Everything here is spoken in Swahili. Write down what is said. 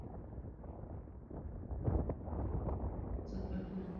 namba moja lenye watu wengi zaidi walio na elimu ya kisasa elimu ya juu